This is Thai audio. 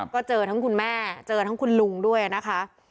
ก็เจอทั้งคุณแม่เจอทั้งคุณลุงด้วยนะคะ